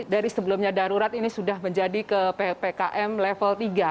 dari sebelumnya darurat ini sudah menjadi ke ppkm level tiga